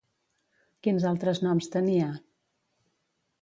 Quins altres noms tenia?